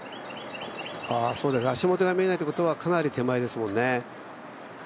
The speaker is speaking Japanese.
足元が見えないってことはかなり手前ですもんね。